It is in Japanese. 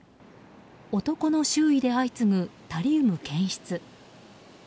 男の周囲で相次ぐタリウム検出。